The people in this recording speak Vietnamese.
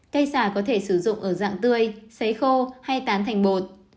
cây xà có thể sử dụng ở dạng tươi xấy khô hay tán thành bột